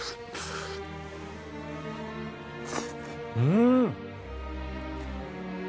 うん。